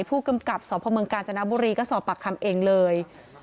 ผู้กำกับสพเมืองกาญจนบุรีก็สอบปากคำเองเลย